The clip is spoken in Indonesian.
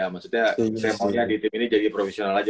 maksudnya saya punya di tim ini jadi profesional aja